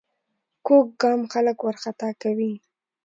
کوږ ګام خلک وارخطا کوي